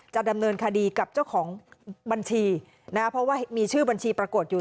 จะดำเนินคดีกับเจ้าของบัญชีนะเพราะว่ามีชื่อบัญชีปรากฏอยู่